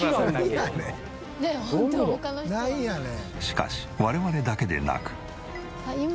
しかし我々だけでなく。